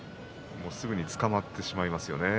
すぐにつかまってしまいますね。